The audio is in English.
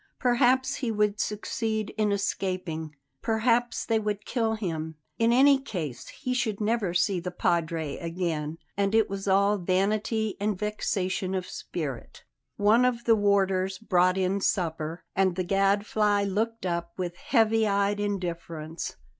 Perhaps he would succeed in escaping; perhaps they would kill him; in any case he should never see the Padre again, and it was all vanity and vexation of spirit. One of the warders brought in supper, and the Gadfly looked up with heavy eyed indifference.